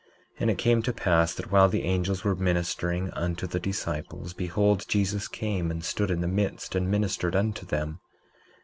19:15 And it came to pass that while the angels were ministering unto the disciples, behold, Jesus came and stood in the midst and ministered unto them.